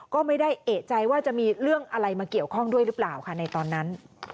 ก็ไม่ได้เอกใจว่าจะมีเรื่องอะไรมาเกี่ยวข้องด้วยหรือเปล่าค่ะในตอนนั้น